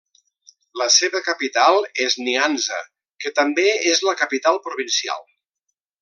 La seva capital és Nyanza, que també és la capital provincial.